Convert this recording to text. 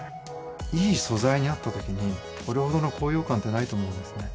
いい素材に会ったときにこれほどの高揚感ってないと思うんですね